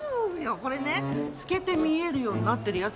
これね透けて見えるようになってるやつだから。